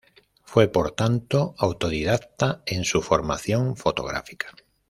Fue por tanto autodidacta en su formación fotográfica.